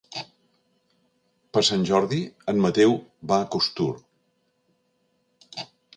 Per Sant Jordi en Mateu va a Costur.